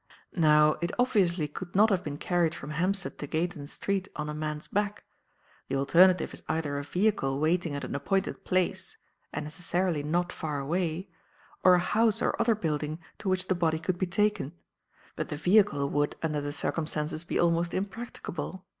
Now, it obviously could not have been carried from Hampstead to Gayton Street on a man's back; the alternative is either a vehicle waiting at an appointed place and necessarily not far away or a house or other building to which the body could be taken. But the vehicle would, under the circumstances be almost impracticable.